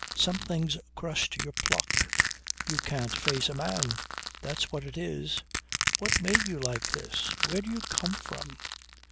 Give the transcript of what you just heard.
Something's crushed your pluck. You can't face a man that's what it is. What made you like this? Where do you come from?